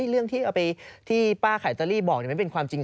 เรื่องที่ป้าไข่เจอรี่บอกไม่เป็นความจริง